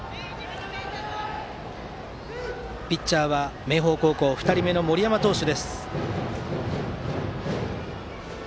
ピッチャーは、明豊高校２人目の森山投手。